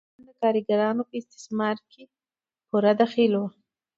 دوی هم د کارګرانو په استثمار کې پوره دخیل دي